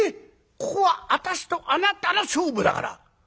ここは私とあなたの勝負だから。